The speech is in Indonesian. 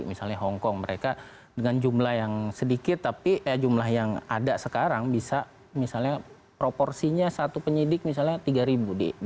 misalnya hongkong mereka dengan jumlah yang sedikit tapi jumlah yang ada sekarang bisa misalnya proporsinya satu penyidik misalnya tiga ribu